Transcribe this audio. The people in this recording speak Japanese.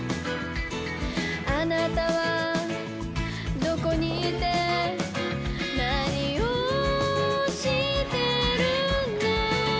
「あなたは何処にいて何をしてるの」